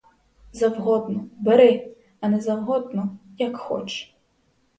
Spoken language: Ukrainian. Завгодно, бери, а не завгодно, як хоч!